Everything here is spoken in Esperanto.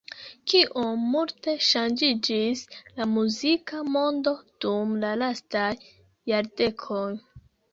Kiom multe ŝanĝiĝis la muzika mondo dum la lastaj jardekoj!